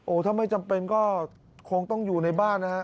ถ้าไม่จำเป็นก็คงต้องอยู่ในบ้านนะฮะ